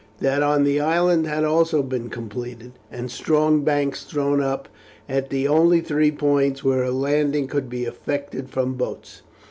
That on the island had also been completed, and strong banks thrown up at the only three points where a landing could be effected from boats.